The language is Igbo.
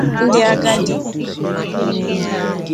ndị agadi